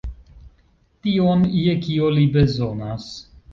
Tion, je kio li bezonas.